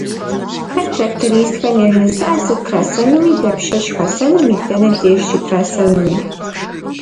Хэт трактористхэм яжезыӏэр сыт трасэнуми, дапщэщ хасэнуми, дэнэ деж щытрасэнуми?